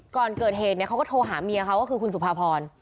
ก่อนเกิดเหตุเขาก็โทรหาเมียเขาก็คือคุณสุภาพร